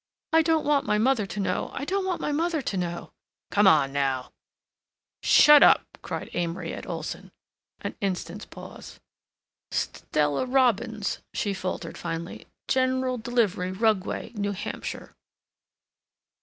"I don't want my mother to know. I don't want my mother to know." "Come on now!" "Shut up!" cried Amory at Olson. An instant's pause. "Stella Robbins," she faltered finally. "General Delivery, Rugway, New Hampshire."